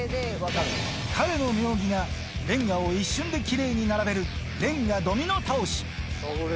彼の妙技がレンガを一瞬できれいに並べる、レンガドミノ倒し。